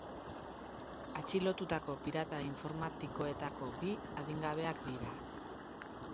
Atxilotutako pirata informatikoetako bi adingabeak dira.